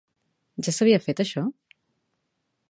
Ja s'havia fet això?